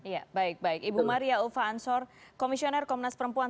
ya baik baik ibu maria ulfa ansor komisioner komnas perempuan